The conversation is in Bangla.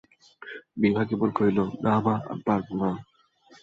বিভা কেবল কহিল, না মা, আমি পারিব না।